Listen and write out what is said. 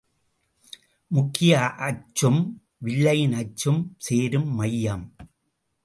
முக்கிய அச்சும் வில்லையின் அச்சும் சேரும் மையம்.